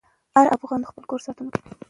هر افغان د خپل کور ساتونکی دی.